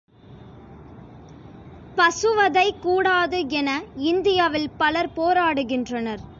பசுவதை கூடாது என இந்தியாவில் பலர் போராடுகின்றனர்.